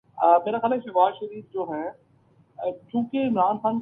cricket تعلقات کی بحالی کیلئے شہریار خان راجیو شکلا کے گھرپہنچ گئے